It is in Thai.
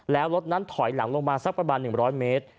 แล้วรถนั้นถอยหลังลงมาสักประมาณ๑๐๐เมตร